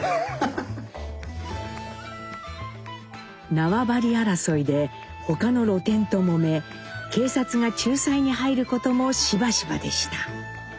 縄張り争いで他の露店ともめ警察が仲裁に入ることもしばしばでした。